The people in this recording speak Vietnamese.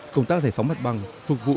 công tác giải phóng mặt bằng phục vụ